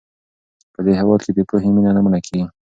په دې هېواد کې د پوهې مینه نه مړه کېږي.